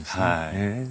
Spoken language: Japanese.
へえ。